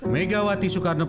megawati soekarno putri